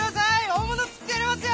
大物釣ってやりますよ！